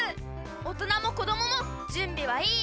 おとなもこどももじゅんびはいい？